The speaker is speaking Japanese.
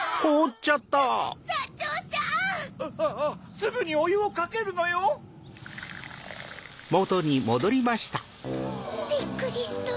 ・・すぐにおゆをかけるのよ！・びっくりした。